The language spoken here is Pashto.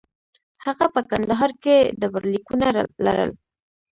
هغه په کندهار کې ډبرلیکونه لرل